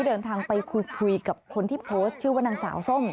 เดินทางไปคุยกับคนที่โพสต์ชื่อว่านางสาวส้ม